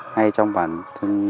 ngay trong bản thân